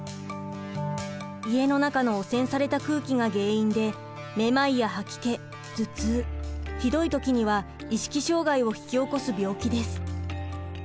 家の中の汚染された空気が原因でめまいや吐き気頭痛ひどい時には意識障害を引き起こす病気です。